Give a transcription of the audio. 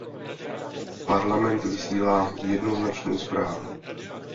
Parlament vysílá jednoznačnou zprávu.